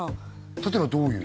例えばどういう？